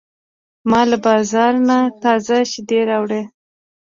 ما له بازار نه تازه شیدې راوړې.